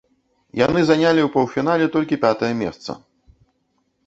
Яны занялі ў паўфінале толькі пятае месца.